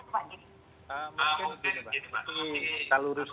bagaimana itu pak giri